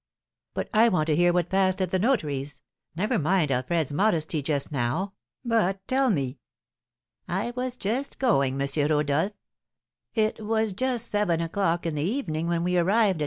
"But I want to hear what passed at the notary's. Never mind Alfred's modesty just now, but tell me." "I was just going, M. Rodolph. It was just seven o'clock in the evening when we arrived at M.